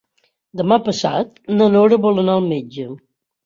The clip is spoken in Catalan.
Demà passat na Nora vol anar al metge.